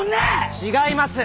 違います！